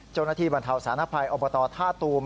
เจ้าหน้าที่บรรเทาสาณภัยอบตท่าตูม